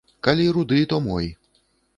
Калі руды, то мой.